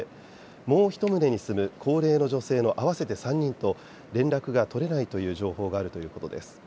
もう１棟に住む高齢の女性の合わせて３人と連絡が取れないという情報があるということです。